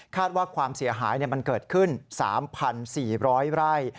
ว่าความเสียหายมันเกิดขึ้น๓๔๐๐ไร่